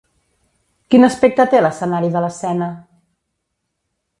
Quin aspecte té l'escenari de l'escena?